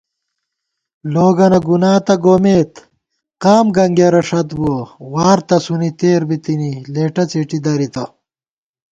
لوگَنہ گُنا تہ گومېت، قام گنگېرہ ݭت بُوَہ * وار تسُونی تېر بِتِنی، لېٹہ څېٹی دَرِتہ